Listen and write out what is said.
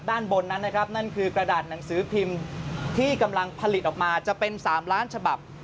ด้านบนนั้นนะครับนั่นคือกระดาษหนังสือพิมพ์ที่กำลังผลิตออกมาจะเป็น๓ล้านฉบับ